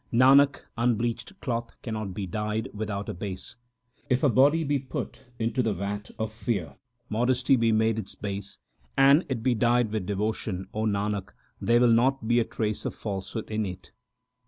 Nanak, unbleached cloth cannot be dyed without a base. If the body be put into the vat of fear, modesty be made its base, And it be dyed with devotion, O Nanak, there will not be a trace of falsehood in it.